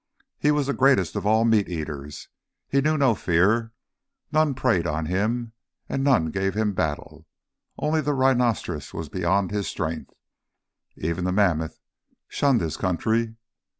He was the greatest of all meat eaters; he knew no fear, none preyed on him, and none gave him battle; only the rhinoceros was beyond his strength. Even the mammoth shunned his country.